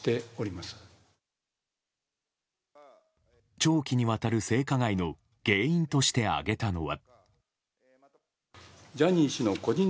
長期にわたる性加害の原因として挙げたのは。